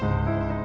siti pandiin ya ga